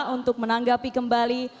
untuk menanggapi kembali